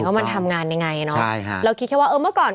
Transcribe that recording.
ว่ามันทำงานยังไงเราคิดแค่ว่าเมื่อก่อน